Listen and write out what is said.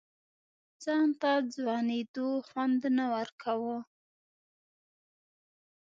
ځان ته ځوانېدو خوند نه ورکوه.